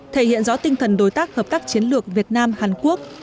thể hiện rõ tinh thần đối tác hợp tác chiến lược việt nam hàn quốc